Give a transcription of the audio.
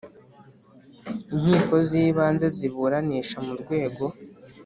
Inkiko z Ibanze ziburanisha mu rwego